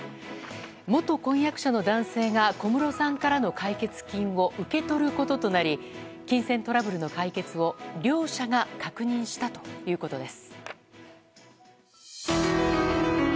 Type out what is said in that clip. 元婚約者の男性が小室さんからの解決金を受け取ることとなり金銭トラブルの解決を両者が確認したということです。